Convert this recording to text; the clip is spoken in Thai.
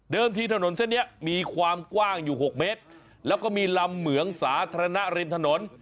ที่ถนนเส้นนี้มีความกว้างอยู่๖เมตรแล้วก็มีลำเหมืองสาธารณะริมถนน